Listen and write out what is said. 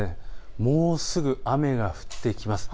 もうすぐ雨が降ってきます。